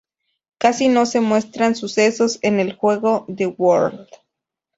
Casi no se muestran sucesos en el juego The World.